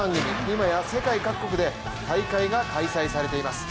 今や世界各国で大会が開催されています。